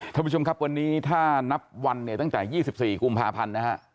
ท่านผู้ชมครับวันนี้ถ้านับวันเนี่ยตั้งแต่๒๔กุมภาพันธ์นะฮะ